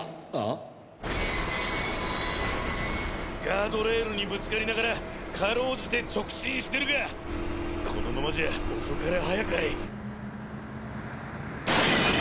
ガードレールにぶつかりながらかろうじて直進してるがこのままじゃ遅かれ早かれ。